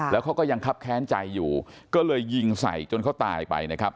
แล้วเขาก็ยังคับแค้นใจอยู่ก็เลยยิงใส่จนเขาตายไปนะครับ